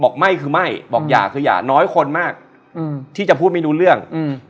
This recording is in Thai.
บอกไม่คือไม่บอกอย่าคืออย่าน้อยคนมากอืมที่จะพูดไม่รู้เรื่องอืม